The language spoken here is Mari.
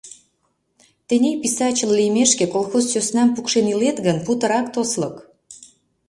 Тений писачыл лиймешке колхоз сӧснам пукшен илет гын, путырак тослык.